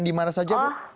dimana saja bu